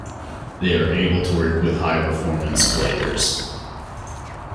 They are able to work with high performance players.